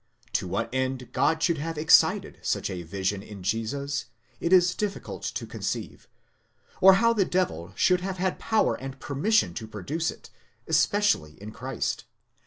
6 To what end God should have excited such a vision in Jesus, it is difficult to conceive, or how the devil should have had power and permission to produce it; espe cially in Christ.